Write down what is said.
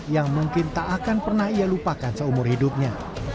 yang mungkin tak akan pernah ia lupakan seumur hidupnya